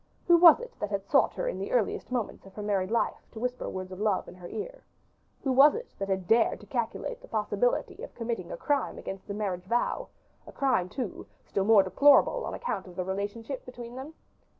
Who was it that had sought her in the earliest moments of her married life to whisper words of love in her ear? Who was it that had dared to calculate the possibility of committing a crime against the marriage vow a crime, too, still more deplorable on account of the relationship between them?